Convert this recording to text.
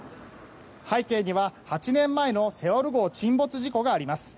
背景には、８年前の「セウォル号」沈没事故があります。